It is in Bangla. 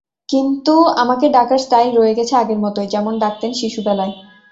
কিন্তু আমাকে ডাকার স্টাইল রয়ে গেছে আগের মতোই, যেমন ডাকতেন শিশুবেলায়।